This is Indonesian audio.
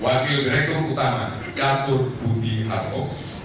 wakil direktur utama gatot budi harto